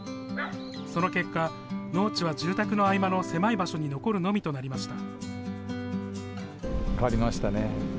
その結果、農地は住宅の合間の狭い場所に残るのみとなりました。